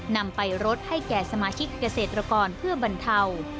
นำไปรดให้แก่สมาชิกเกษตรกรเพื่อบรรเทา